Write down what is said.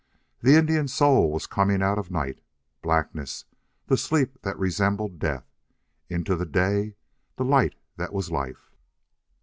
The Indian's soul was coming out of night, blackness, the sleep that resembled death, into the day, the light that was life.